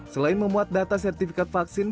selain memuat data sertifikat vaksin